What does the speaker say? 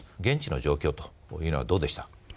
現地の状況というのはどうでした？